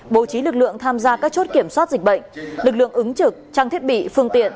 bố trí lực lượng tham gia các chốt kiểm soát dịch bệnh lực lượng ứng trực trang thiết bị phương tiện